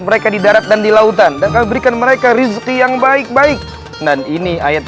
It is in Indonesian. mereka di darat dan di lautan dan berikan mereka rizki yang baik baik dan ini ayat